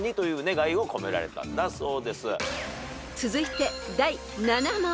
［続いて第７問］